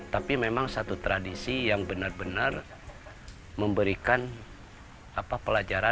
tapi memang satu tradisi yang benar benar memberikan pelajaran